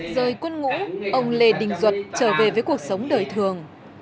rời quân ngũ ông lê đình duật trở về với cuộc sống đời thường